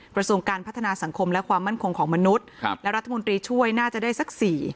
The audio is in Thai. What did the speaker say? กระทรวงการพัฒนาสังคมและความมั่นคงของมนุษย์และรัฐมนตรีช่วยน่าจะได้สัก๔